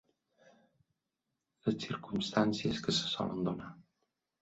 Les circumstàncies que se solen donar.